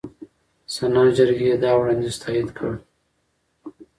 سنا جرګې دا وړاندیز تایید کړ.